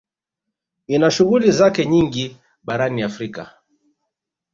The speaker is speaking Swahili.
Ina shughuli zake nyingi barani Afrika